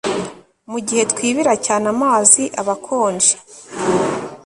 Mugihe twibira cyane amazi aba akonje